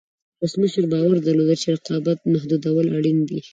ولسمشر باور درلود چې رقابت محدودول اړین دي.